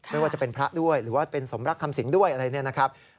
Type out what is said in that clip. ไม่ว่าจะเป็นพระด้วยหรือว่าเป็นสมรักคำสิงด้วยอะไรเนี่ยนะครับ